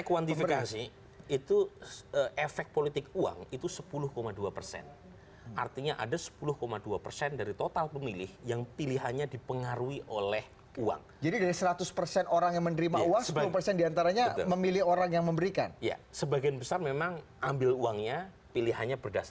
kepala kepala kepala